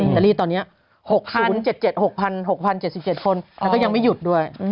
อิตาลีตอนนี้๖๐๗๗คนแล้วก็ยังไม่หยุดด้วย